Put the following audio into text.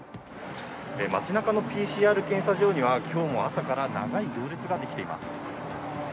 街なかのＰＣＲ検査場には、きょうも朝から長い行列が出来ています。